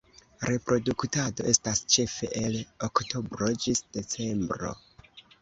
Reproduktado estas ĉefe el Oktobro ĝis Decembro.